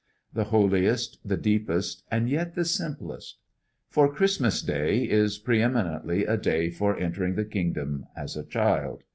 The holiest, the deepest, and yet the simplest! For Christmas Day is pre eminently a day for entering the kingdom as a child.